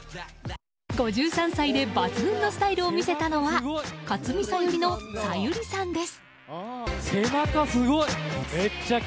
５３歳で抜群のスタイルを見せたのはかつみ・さゆりのさゆりさんです。